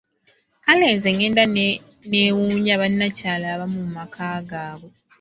Kale nze ngenda nenneewunya bannakyala abamu mu maka gaabwe!